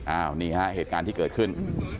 อ้าวนี่เหตุการณ์ที่เกิดขึ้น